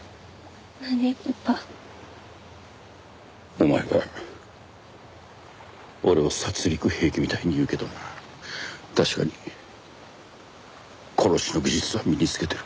お前は俺を殺戮兵器みたいに言うけどな確かに殺しの技術は身につけてる。